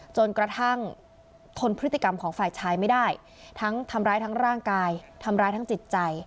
จนกระทั่งทนพฤติกรรมของฝ่ายชายไม่ได้ทั้งทำร้ายทั้งร่างกายทำร้ายทั้งจิตใจ